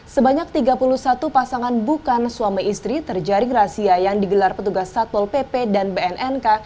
sebanyak tiga puluh satu pasangan bukan suami istri terjaring razia yang digelar petugas satpol pp dan bnnk